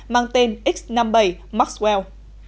mang tên x năm mươi bảy maxwell